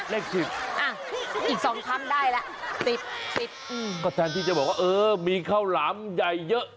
เลขสิบอ่ะอีกสองคำได้ล่ะสิบสิบอืมก็แทนที่จะบอกว่าเออมีข้าวหลามใหญ่เยอะ